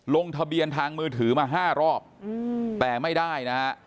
ลงทะเบียนทางมือถือมา๕รอบแต่ไม่ได้นะฮะ